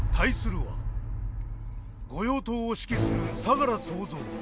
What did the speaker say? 御用盗を指揮する相楽総三。